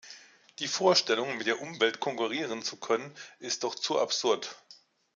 Die Vorstellung, mit der Umwelt konkurrieren zu können, ist doch zu absurd.